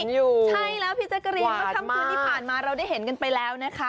ใช่แล้วพี่แจ๊กรีนเมื่อค่ำคืนที่ผ่านมาเราได้เห็นกันไปแล้วนะคะ